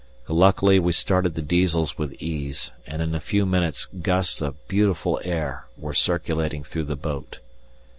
Luckily we started the Diesels with ease, and in a few minutes gusts of beautiful air were circulating through the boat.